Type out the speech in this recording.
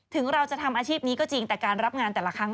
ถึงเราจะทำอาชีพนี้ก็จริงแต่การรับงานแต่ละครั้ง